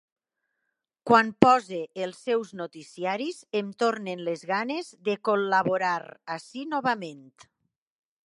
Quan pose els seus noticiaris em tornen les ganes de col·laborar ací novament.